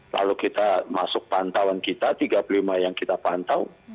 lalu kita masuk pantauan kita tiga puluh lima yang kita pantau